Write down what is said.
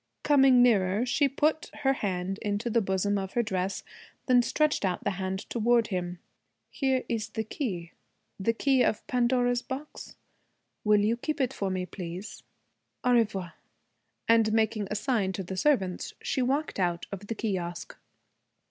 Coming nearer, she put her hand into the bosom of her dress, then stretched out the hand toward him. 'Here is the key the key of Pandora's box. Will you keep it for me please? Au revoir.' And making a sign to the servants she walked out of the kiosque.